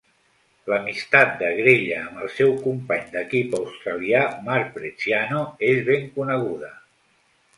L'amistat de Grella amb el seu company d'equip australià Mark Bresciano és ben coneguda.